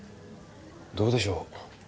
どうでしょう？